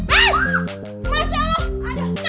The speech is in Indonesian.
mel masya allah